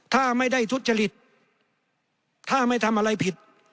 ถ้าไม่ได้ทุจริตถ้าไม่ทำอะไรผิด